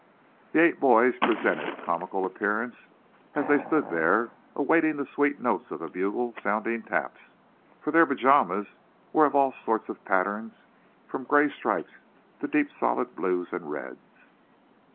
The eight boys presented a comical appearance as they stood there, awaiting the sweet notes of the bugle sounding "taps;" for their pajamas were of all sorts of patterns, from gay stripes to deep solid blues and reds.